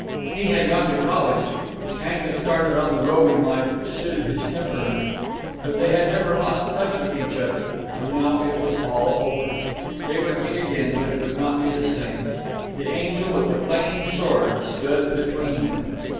He had gone to college: Hank had started on the roving life which suited his temperament. But they had never lost touch with each other. And now it was all over. They would meet again, but it would not be the same. The angel with the flaming sword stood between them.